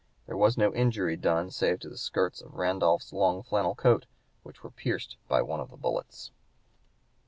There was no injury done save to the skirts of Randolph's long flannel coat which were pierced by one of the bullets.